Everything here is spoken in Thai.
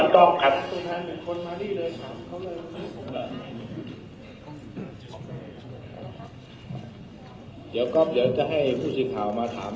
โทษครับมันไม่ได้ยินแล้วครับแต่คือเสียประกอบครับ